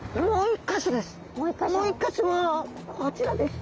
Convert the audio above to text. もう一か所はこちらです。